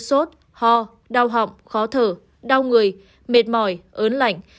sốt ho đau họng khó thở đau người mệt mỏi ớn lạnh